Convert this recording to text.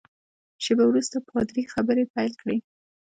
شېبه وروسته پادري خبرې پیل کړې.